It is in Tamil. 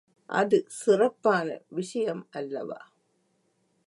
அது சிறப்பான விஷயம் அல்லவா?